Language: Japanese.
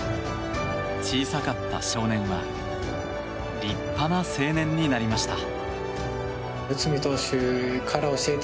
小さかった少年は立派な青年になりました。